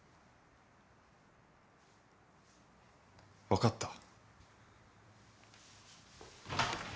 分かった。